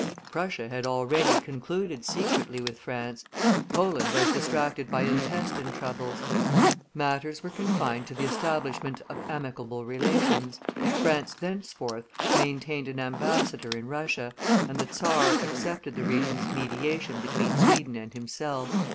Prussia had already concluded secretly with France; Poland was distracted by intestine struggles; matters were confined to the establishment of amicable relations; France thenceforth maintained an ambassador in Russia, and the czar accepted the Regent's mediation between Sweden and himself.